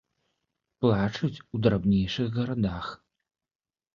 Плачуць у драбнейшых гарадах.